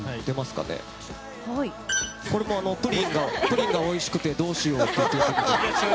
これもプリンがおいしくてどうしようっていう。